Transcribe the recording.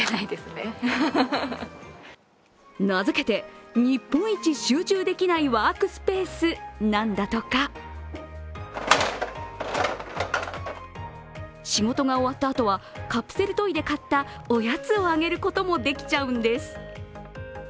名付けて、日本一集中できないワークスペースなんだとか。仕事が終わったあとは、カプセルトイで買ったおやつをあげることも、できちゃうんです。